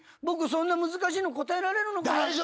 僕そんな難しいの答えられるのかな？